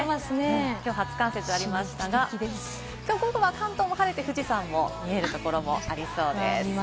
きょう初冠雪がありましたが、きょう午後は関東も晴れて富士山も見えるところもありそうです。